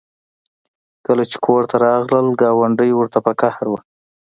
کله چې کور ته راغلل ګاونډۍ ورته په قهر وه